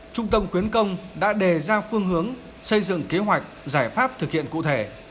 trung tâm quyến công đã đề ra phương hướng xây dựng kế hoạch giải pháp thực hiện cụ thể